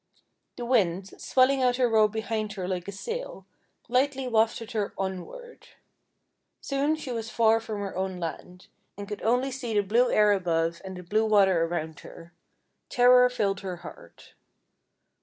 The Wind, swelling out her robe behind her like a sail, lightly wafted her onward. Soon she was far from her own land, and could see only the blue air above and the blue water around her. Terror filled her heart.